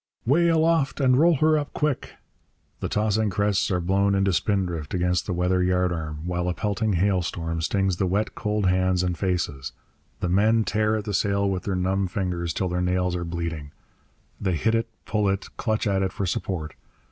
''Way aloft and roll her up quick!' The tossing crests are blown into spindrift against the weather yardarm, while a pelting hailstorm stings the wet, cold hands and faces. The men tear at the sail with their numb fingers till their nails are bleeding. They hit it, pull it, clutch at it for support.